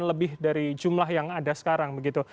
lebih dari jumlah yang ada sekarang begitu